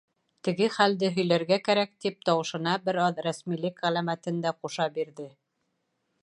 «Теге хәл»де һөйләргә кәрәк тип, тауышына бер аҙ рәсмилек ғәләмәтен дә ҡуша бирҙе.